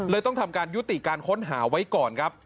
ต้องทำการยุติการค้นหาไว้ก่อนครับ